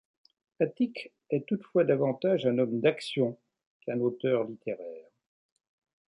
Attique est toutefois davantage un homme d'action qu'un auteur littéraire.